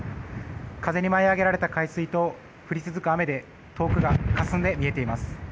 風に舞い上げられた海水と降り続く雨で遠くが、かすんで見えています。